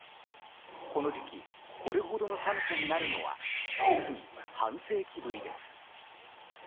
この時期これほどの寒さになるのは実に半世紀ぶりです。